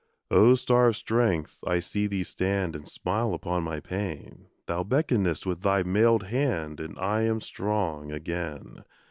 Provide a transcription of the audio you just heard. O star of strength! I see thee stand And smile upon my pain; Thou beckonest with thy mailed hand, And I am strong again.